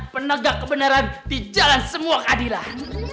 penegak kebenaran di jalan semua keadilan